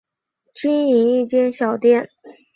经营一间小店